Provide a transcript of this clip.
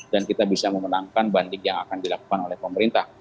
dan kita bisa memenangkan banding yang akan dilakukan oleh pemerintah